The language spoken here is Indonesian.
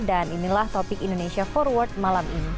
dan inilah topik indonesia forward malam ini